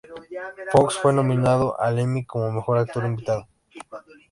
Fox fue nominado al Emmy como mejor actor invitado.